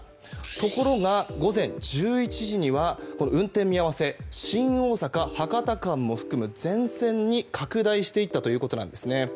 ところが、午前１１時には運転見合わせが新大阪博多間を含む全線に拡大していったということなんですね。